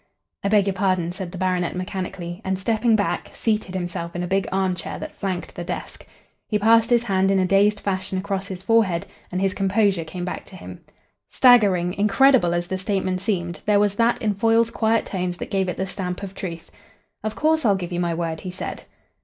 "I beg your pardon," said the baronet mechanically, and, stepping back, seated himself in a big arm chair that flanked the desk. He passed his hand in a dazed fashion across his forehead and his composure came back to him. Staggering, incredible as the statement seemed, there was that in Foyle's quiet tones that gave it the stamp of truth. "Of course, I'll give you my word," he said.